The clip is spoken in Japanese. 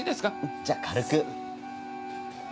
じゃあ軽く。